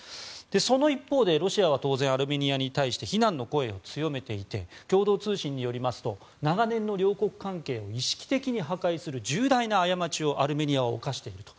その一方でロシアは当然、アルメニアに対して非難の声を強めていて共同通信によりますと長年の両国関係を意識的に破壊する重大な過ちをアルメニアは犯していると。